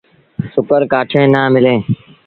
سُڪل ڪآٺيٚن نا مليٚن۔